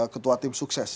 ketua tim sukses